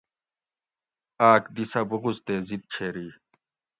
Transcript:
آۤک دی سہ بغض تے ضِد چھیری